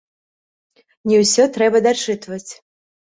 Не ўсё трэба дачытваць.